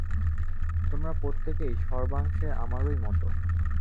তোমরা প্রত্যেকেই সর্বাংশে আমারই মত।